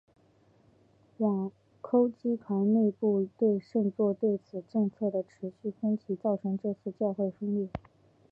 枢机团内部对圣座对外政策的持续分歧造成这次教会分裂。